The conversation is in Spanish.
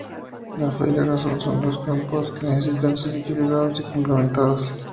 La fe y la razón son dos campos que necesitan ser equilibrados y complementados.